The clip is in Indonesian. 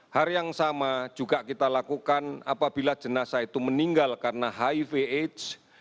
hari yang sama juga kita lakukan apabila jenazah itu meninggal karena hiv aids